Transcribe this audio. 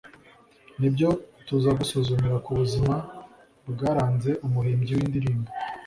nibyo tuza gusuzumira ku buzima bwaranze umuhimbyi w'indirimbo